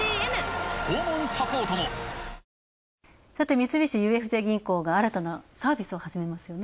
三菱ＵＦＪ銀行が新たなサービスを始めますよね。